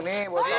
nih buat kamu